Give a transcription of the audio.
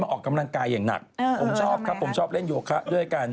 แสงและเงาเดี๋ยว